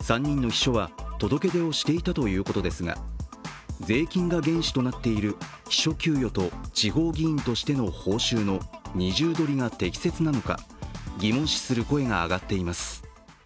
３人の秘書は届け出をしていたということですが税金が原資となっている秘書給与と地方議員としての報酬の二重取りが適切なのか疑問視する声が上がっています。